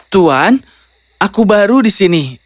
tuan aku baru di sini